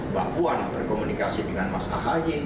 papuan berkomunikasi dengan mas ahayi